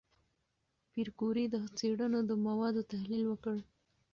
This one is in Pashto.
پېیر کوري د څېړنو د موادو تحلیل وکړ.